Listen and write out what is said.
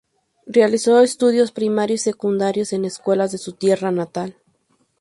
Realizó estudios primarios y secundarios en escuelas de su tierra natal.